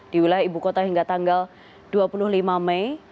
di wilayah ibu kota hingga tanggal dua puluh lima mei